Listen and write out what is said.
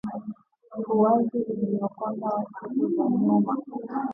Uwazi uliokonda wa siku za nyuma